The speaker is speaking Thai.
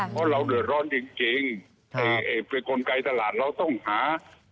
เพราะเราเดือดร้อนจริงเป็นกลไกตลาดเราต้องหา